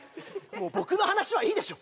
もう僕の話はいいでしょ